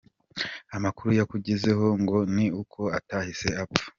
Amakuru yakugezeho ngo ni uko atahise apfa